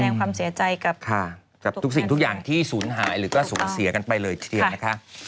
แสดงความเสียใจกับค่ะกับทุกสิ่งทุกอย่างที่ศูนย์หายหรือก็สูญเสียกันไปเลยทีเดียวนะคะ